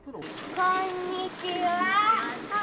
こんにちは。